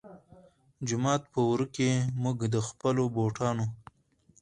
جومات پۀ ورۀ کښې مونږ د خپلو بوټانو